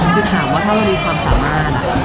คือถามว่าถ้ามันมีความสามารถ